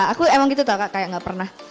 aku emang gitu tau kak kayak gak pernah